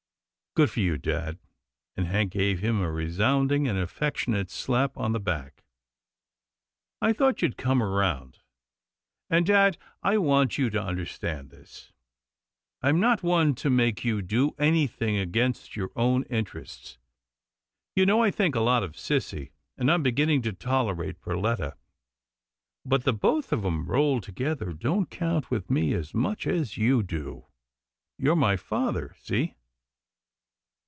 " Good for you, dad," and Hank gave him a re sounding and affectionate slap on the back. " I thought you'd come round — and dad, I want you to understand this. I'm not one to make you do anything against your own interests. You know I think a lot of sissy, and I'm beginning to tolerate Perletta, but the both of 'em rolled together don't count with me as much as you do. You're my father — see?